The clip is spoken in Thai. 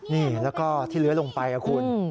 นี่แล้วก็ที่เลื้อยลงไปนะคุณ